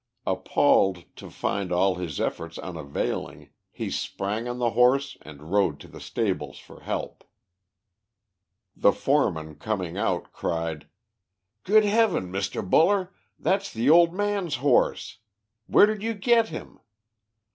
Appalled to find all his efforts unavailing, he sprang on the horse and rode to the stables for help. The foreman coming out, cried: "Good heavens, Mr. Buller, that's the old man's horse. Where did you get him?